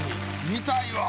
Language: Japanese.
見たいわ。